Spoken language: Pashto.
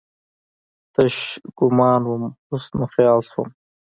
تش ګومان وم، حسن وخیال شوم